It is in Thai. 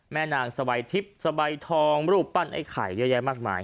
นางสบายทิพย์สบายทองรูปปั้นไอ้ไข่เยอะแยะมากมาย